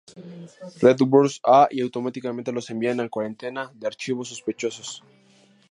Redbrowser.A", y automáticamente lo envían a cuarentena de archivos sospechosos.